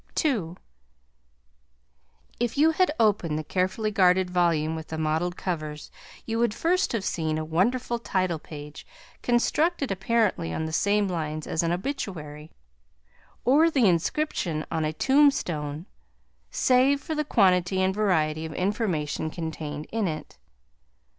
II If you had opened the carefully guarded volume with the mottled covers, you would first have seen a wonderful title page, constructed apparently on the same lines as an obituary, or the inscription on a tombstone, save for the quantity and variety of information contained in it.